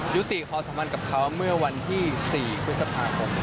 ยุติคอสมันกับเขาเมื่อวันที่๔ควิสัตว์ภาค